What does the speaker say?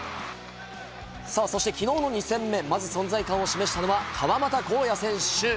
そしてきのうの２戦目、まず存在感を示したのは川真田紘也選手。